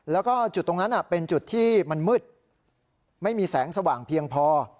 แล้วก็จุดตรงนั้นเป็นจุดที่มันมืดไม่มีแสงสว่างเพียงพอ